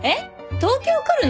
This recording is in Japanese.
東京来るの？